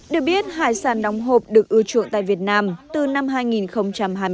được biết hải sản đóng hộp được ưa chuộng tại việt nam từ năm hai nghìn hai mươi ba